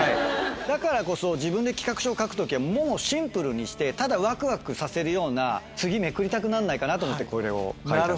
だからこそ自分で企画書を書く時はもうシンプルにしてただワクワクさせるような次めくりたくなんないかな？と思ってこれを書いてますね。